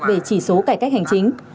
về chỉ số cải cách hành chính